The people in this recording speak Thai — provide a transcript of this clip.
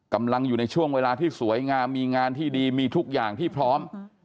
กำลังอยู่ในช่วงเวลาที่สวยงามมีงานที่ดีมีทุกอย่างที่พร้อม